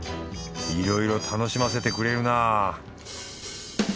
いろいろ楽しませてくれるな。